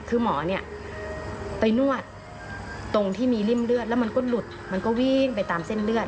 คือหมอเนี่ยไปนวดตรงที่มีริ่มเลือดแล้วมันก็หลุดมันก็วิ่งไปตามเส้นเลือด